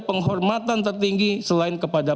kehormatan tertinggi selain kepada